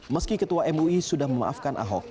meski ketua mui sudah memaafkan ahok